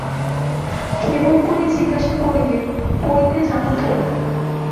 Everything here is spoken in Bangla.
ক্ষেমংকরী জিজ্ঞাসা করিলেন, পড়িতে জান তো?